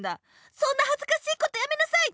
「そんなはずかしいことやめなさい！」